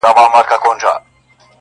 د قاف د شاپيرو اچيل دې غاړه کي زنگيږي,